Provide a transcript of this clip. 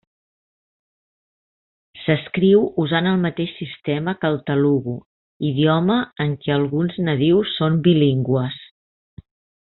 S'escriu usant el mateix sistema que el telugu, idioma en què alguns nadius són bilingües.